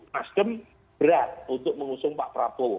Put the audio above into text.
nasdem berat untuk mengusung pak prabowo